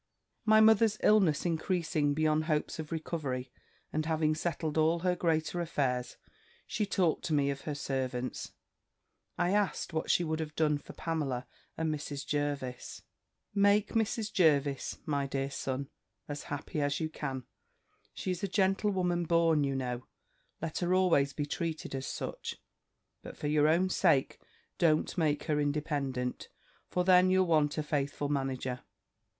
"My mother's illness increasing beyond hopes of recovery, and having settled all her greater affairs, she talked to me of her servants; I asked what she would have done for Pamela and Mrs. Jervis. "'Make Mrs. Jervis, my dear son, as happy as you can: she is a gentlewoman born, you know; let her always be treated as such; but for your own sake, don't make her independent; for then you'll want a faithful manager.